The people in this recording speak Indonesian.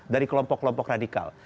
dari kelompok kelompok radikal